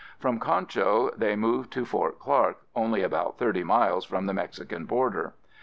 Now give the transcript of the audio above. From Concho they moved to Fort Clark, only about thirty miles from the Mexican border.